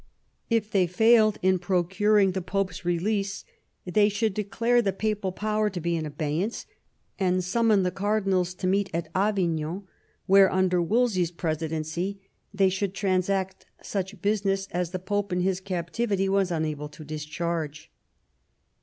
If they failed in procuring the Pope's release, they should declare the papal power to be in abeyance, and summon the cardinals to meet at Avignon, where, under Wolsey's presidency, they should transact such business as the Pope in his captivity was unable to discharge.